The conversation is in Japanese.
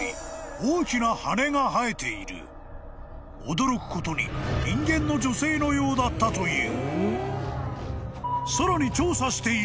［驚くことに人間の女性のようだったという］